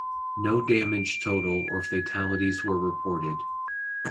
No damage total or fatalities were reported.